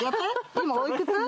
今おいくつ？